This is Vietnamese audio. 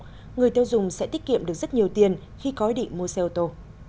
đó người tiêu dùng sẽ tiết kiệm được rất nhiều tiền khi có ý định mua xe ô tô